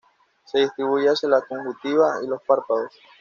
Se distribuyen hacia la conjuntiva y los párpados.